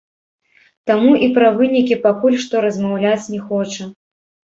Таму і пра вынікі пакуль што размаўляць не хоча.